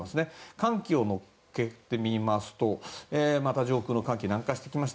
寒気を乗っけてみますと寒気が南下してきました。